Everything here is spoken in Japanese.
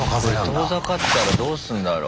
これ遠ざかったらどうすんだろう。